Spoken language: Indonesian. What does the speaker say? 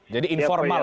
jadi informal ya